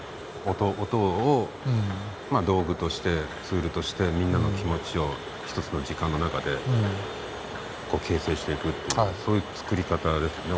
音を道具としてツールとしてみんなの気持ちを一つの時間の中で形成していくっていうそういう作り方ですよね。